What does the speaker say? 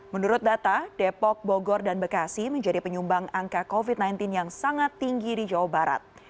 menurut data depok bogor dan bekasi menjadi penyumbang angka covid sembilan belas yang sangat tinggi di jawa barat